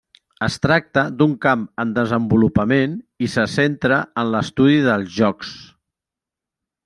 Es tracta d'un camp en desenvolupament, i se centra en l'estudi dels jocs.